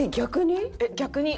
逆に？